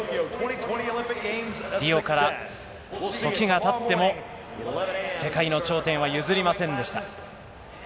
リオから時がたっても世界の頂点は譲りませんでした。